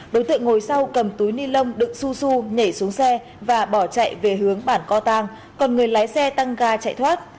đối tượng ngồi sau cầm túi ni lông đựng su su nhảy xuống xe và bỏ chạy về hướng bản co tăng còn người lái xe tăng ga chạy thoát